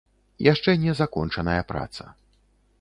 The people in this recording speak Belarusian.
Яшчэ не закончаная праца.